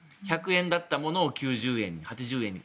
１００円だったものを９０円に、８０円に。